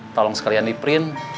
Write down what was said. tolong sekalian di print